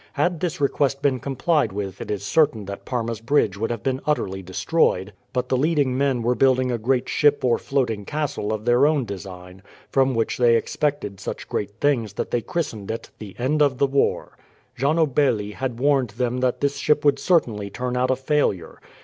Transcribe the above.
Had this request been complied with it is certain that Parma's bridge would have been utterly destroyed; but the leading men were building a great ship or floating castle of their own design, from which they expected such great things that they christened it the End of the War. Gianobelli had warned them that this ship would certainly turn out a failure.